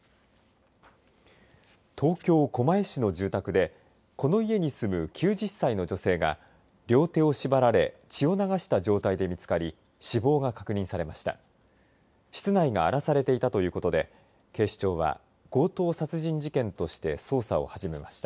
東京、狛江市の住宅でこの家に住む９０歳の女性が両手を縛られ血を流した状態で見つかり死亡が確認されました。